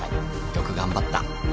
よく頑張った。